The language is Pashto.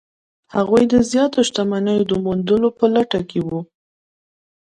هغوی د زیاتو شتمنیو د موندلو په لټه کې وو.